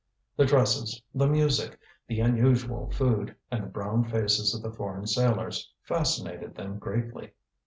The dresses, the music, the unusual food, and the brown faces of the foreign sailors, fascinated them greatly.